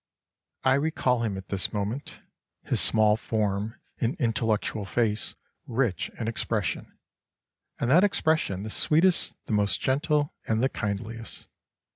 ] "I recall him at this moment his small form and intellectual face rich in expression, and that expression the sweetest, the most gentle, and the kindliest.